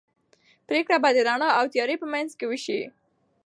پرېکړه به د رڼا او تیارې په منځ کې وشي.